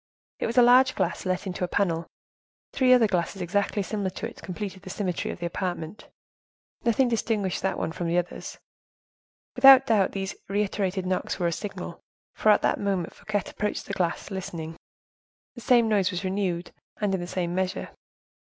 It was a large glass let into a panel. Three other glasses, exactly similar to it, completed the symmetry of the apartment. Nothing distinguished that one from the others. Without doubt, these reiterated knocks were a signal; for, at the moment Fouquet approached the glass listening, the same noise was renewed, and in the same measure.